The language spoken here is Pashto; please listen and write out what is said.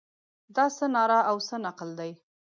دا څه ناره او څه نقل دی.